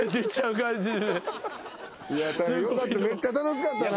めっちゃ楽しかったな。